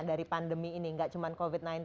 dari pandemi ini gak cuma covid sembilan belas